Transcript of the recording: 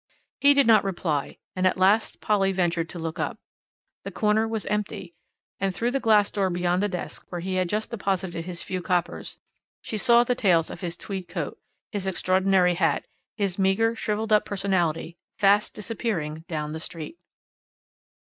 He did not reply, and at last Polly ventured to look up the corner was empty, and through the glass door beyond the desk, where he had just deposited his few coppers, she saw the tails of his tweed coat, his extraordinary hat, his meagre, shrivelled up personality, fast disappearing down the street.